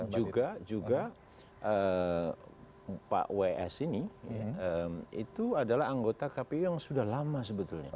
juga juga pak ws ini itu adalah anggota kpu yang sudah lama sebetulnya